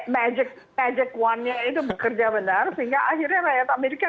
bekerja benar sehingga akhirnya rakyat amerika